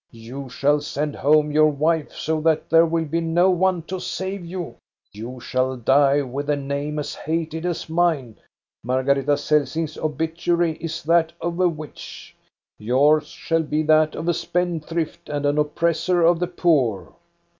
You shall send home your wife, so that there will be no one to save you. You shall die with a name as hated as mine. Margareta Celsing's obituary is that of a witch. Yours shall be that of a spendthrift and an oppressor of the poor."